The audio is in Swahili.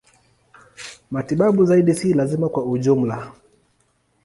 Matibabu zaidi si lazima kwa ujumla.